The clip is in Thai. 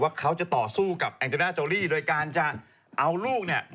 เขาจะต่อสู้กับแองเจน่าโอรี่โดยการจะเอาลูกเนี่ย